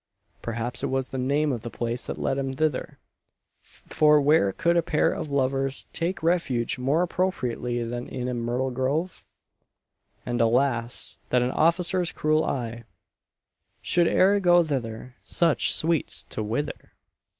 Perhaps it was the name of the place that led him thither; for where could a pair of lovers take refuge more appropriately than in a myrtle grove? And "alas! that an officer's cruel eye Should e'er go thither Such sweets to wither!"